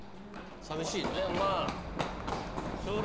さみしいな。